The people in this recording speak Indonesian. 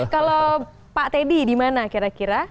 kalau pak teddy di mana kira kira